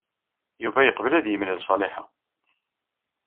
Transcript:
Yuba yeqbel ad yemlal Ṣaliḥa.